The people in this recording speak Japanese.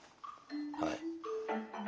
はい。